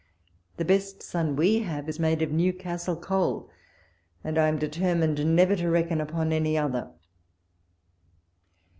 The best sun we have is made of Newcastle coal, and I am deter mined never to reckon upon any other.